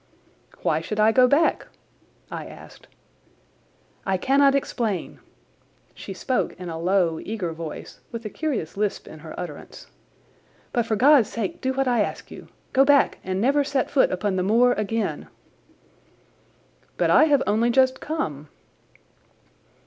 "Why should I go back?" I asked. "I cannot explain." She spoke in a low, eager voice, with a curious lisp in her utterance. "But for God's sake do what I ask you. Go back and never set foot upon the moor again." "But I have only just come."